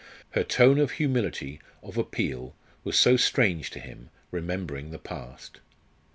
Her tone of humility, of appeal, was so strange to him, remembering the past.